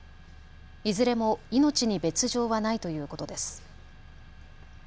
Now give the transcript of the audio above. いずれも命に別状はないということです。